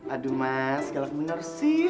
aduh mas galak bener sih